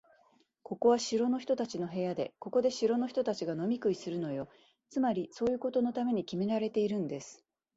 ここは城の人たちの部屋で、ここで城の人たちが飲み食いするのよ。つまり、そういうことのためにきめられているんです。